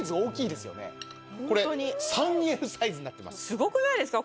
すごくないですか？